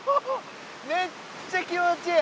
めっちゃ気持ちいい。